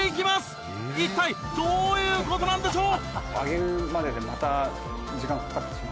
一体どういう事なんでしょう？